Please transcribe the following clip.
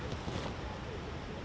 pertanyaannya apakah terima dan gak perlu